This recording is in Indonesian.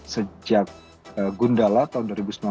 sejak gundala tahun dua ribu sembilan belas